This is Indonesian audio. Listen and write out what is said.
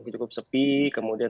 cukup sepi kemudian